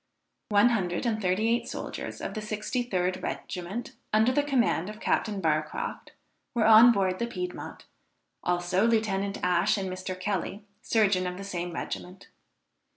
One hundred and thirty eight soldiers of the 63d regiment, under the command of Captain Barcroft, were on board the Piedmont; also Lieutenant Ash and Mr. Kelly, surgeon of the same regiment.